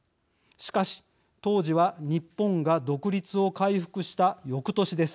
しかし、当時は日本が独立を回復したよくとしです。